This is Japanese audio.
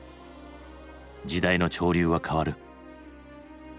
時代の潮流は変わる。